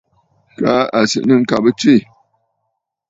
Kaa à sɨ̀ nɨ̂ ŋ̀kabə tswê.